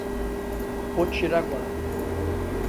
Potiraguá